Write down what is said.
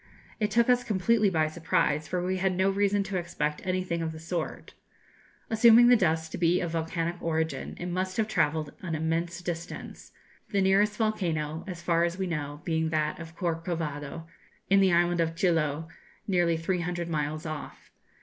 It took us completely by surprise, for we had no reason to expect anything of the sort. Assuming the dust to be of volcanic origin, it must have travelled an immense distance; the nearest volcano, as far as we know, being that of Corcovado, in the island of Chiloe, nearly 300 miles off.